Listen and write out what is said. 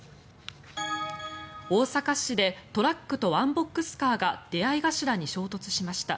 大阪市でトラックとワンボックスカーが出合い頭に衝突しました。